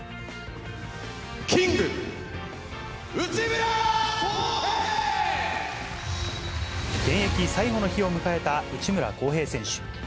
キング、現役最後の日を迎えた内村航平選手。